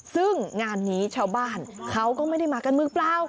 ซึ่งงานนี้ชาวบ้านเขาก็ไม่ได้มากันมือเปล่า